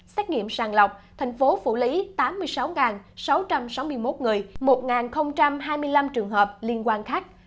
xét nghiệm sàng lọc thành phố phủ lý tám mươi sáu sáu trăm sáu mươi một người một hai mươi năm trường hợp liên quan khác